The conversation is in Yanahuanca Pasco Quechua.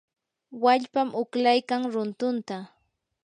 wallpam uqlaykan runtunta.